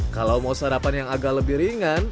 kalau mau sarapan yang agak lebih ringan